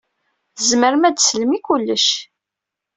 Tzemrem ad teslem i kullec.